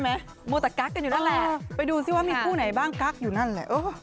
มัวแต่กั๊กกันอยู่นั่นแหละไปดูซิว่ามีคู่ไหนบ้างกั๊กอยู่นั่นแหละ